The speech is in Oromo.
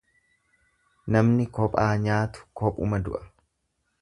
Namni kophaa nyaatu kophuma du'a.